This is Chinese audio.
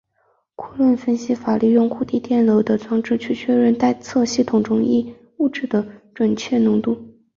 库伦分析法利用固定电流的装置去确定待测系统中一物质的确切浓度。